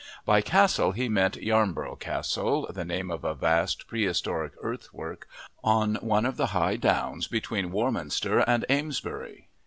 By "Castle" he meant Yarnborough Castle, the name of a vast prehistoric earthwork on one of the high downs between Warminster and Amesbury.